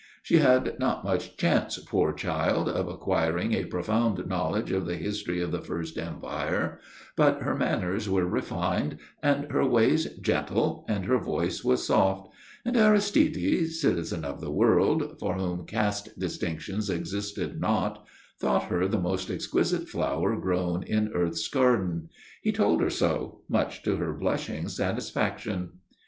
She had not much chance, poor child, of acquiring a profound knowledge of the history of the First Empire; but her manners were refined and her ways gentle and her voice was soft; and Aristide, citizen of the world, for whom caste distinctions existed not, thought her the most exquisite flower grown in earth's garden. He told her so, much to her blushing satisfaction.